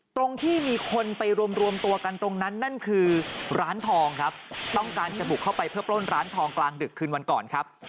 ตรงที่มีคนไปรวมรวมตัวกันตรงนั้นนั่นคือร้านทองครับต้องการจะบุกเข้าไปเพื่อปล้นร้านทองกลางดึกคืนวันก่อนครับ